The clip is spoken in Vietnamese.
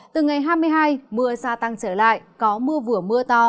từ ngày hai mươi hai mưa gia tăng trở lại có mưa vừa mưa to